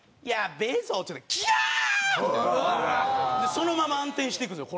そのまま暗転していくんですよ。